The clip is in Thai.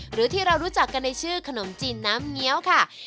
หรือที่เรารู้จักกันในชื่อขนมจีนน้ำเงี้ยวค่ะ